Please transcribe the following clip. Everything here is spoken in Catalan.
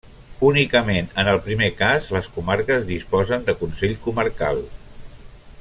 Únicament en el primer cas, les comarques disposen de consell comarcal.